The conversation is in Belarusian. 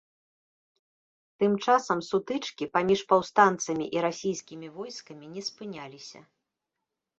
Тым часам сутычкі паміж паўстанцамі і расійскімі войскамі не спыняліся.